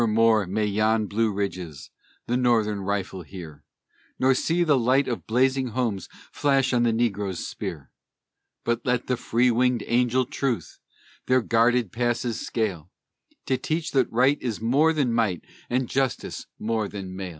Nevermore may yon Blue Ridges the Northern rifle hear, Nor see the light of blazing homes flash on the negro's spear. But let the free winged angel Truth their guarded passes scale, To teach that right is more than might, and justice more than mail!